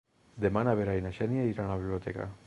Demà na Vera i na Xènia iran a la biblioteca.